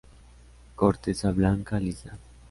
Corteza blanca lisa.